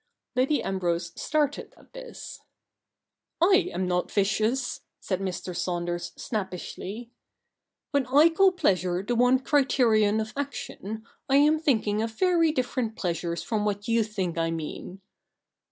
Lady Ambrose started at this. '/ am not vicious,' said Mr. Saunders snappishly. ' When I call pleasure the one criterion of action, I am thinking of very different pleasures from what you think I mean."